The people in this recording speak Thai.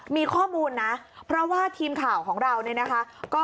มีข้อมูลนะเพราะว่าทีมข่าวของเราเนี่ยนะคะ